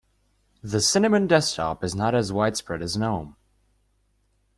The cinnamon desktop is not as widespread as gnome.